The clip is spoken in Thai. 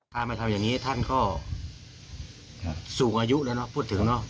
ถ้าไม่ทำอย่างนี้ท่านก็สูงอายุแล้วเนอะพูดถึงเนอะ